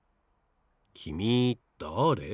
きみだれ？